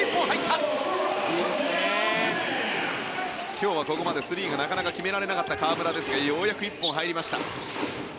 今日はここまでスリーがなかなか決められなかった河村でしたがようやく１本入りました。